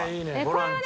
これはね